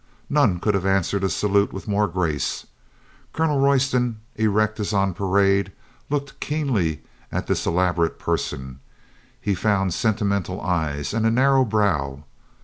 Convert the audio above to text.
None could have answered a salute with more grace. Colonel Roy ston, erect as on parade, looked keenly at this elab orate person ; he found sentimental eyes and a narrow brow.